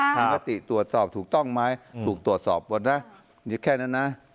มีมติตรวจสอบถูกต้องไหมถูกตรวจสอบหมดนะแค่นั้นนะ